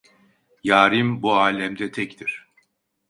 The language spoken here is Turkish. Yârim bu âlemde tektir.